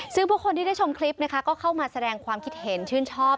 ซึ่งผู้คนที่ได้ชมคลิปนะคะก็เข้ามาแสดงความคิดเห็นชื่นชอบ